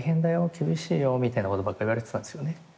厳しいよみたいなことばっか言われてたんですよね。